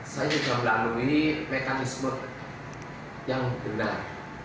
saya sudah melalui mekanisme yang benar